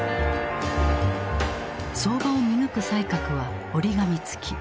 相場を見抜く才覚は折り紙付き。